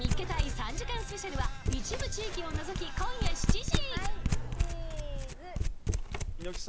３時間スペシャルは一部地域を除き、今夜７時。